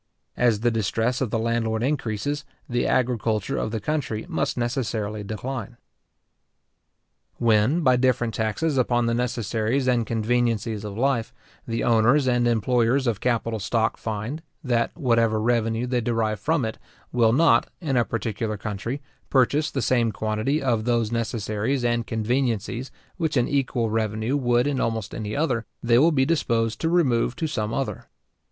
As the distress of the landlord increases, the agriculture of the country must necessarily decline. When, by different taxes upon the necessaries and conveniencies of life, the owners and employers of capital stock find, that whatever revenue they derive from it, will not, in a particular country, purchase the same quantity of those necessaries and conveniencies which an equal revenue would in almost any other, they will be disposed to remove to some other.